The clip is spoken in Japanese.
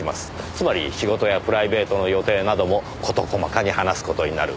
つまり仕事やプライベートの予定などもこと細かに話す事になる。